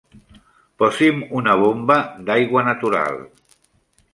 Posi'm una bomba d'aigua natural.